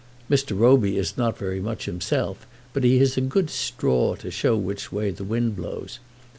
Mr. Roby is not very much himself, but he is a good straw to show which way the wind blows.